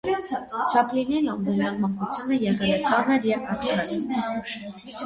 Չապլինի լոնդոնյան մանկությունը եղել է ծանր և աղքատ։